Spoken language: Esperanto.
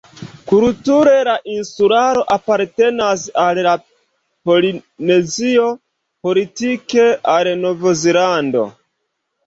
Kulture la insularo apartenas al Polinezio, politike al Nov-Zelando.